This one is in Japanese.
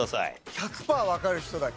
１００パーわかる人だけ。